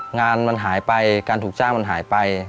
งานมันหายไปการถูกจ้างมันหายไป